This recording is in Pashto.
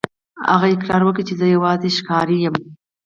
هغه اقرار وکړ چې زه یوازې ښکاري یم.